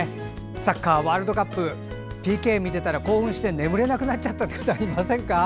サッカーワールドカップＰＫ見てたら興奮して眠れなくなっちゃった方いませんか？